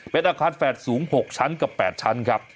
เป็นอาคารแฝดสูง๖ชั้นกับ๘ชั้นครับ